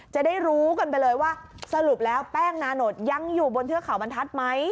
จะได้รู้กันไปเลยว่าสรุปแล้วแป้งนานดยังอยู่บนเทือกเขาบรรทัศน์ไหม